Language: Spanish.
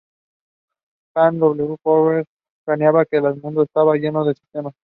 Jay W. Forrester planteaba que el mundo estaba lleno de sistemas.